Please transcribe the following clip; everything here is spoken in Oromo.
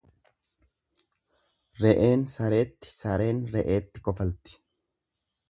Re'een sareetti sareen re'eetti kofalti.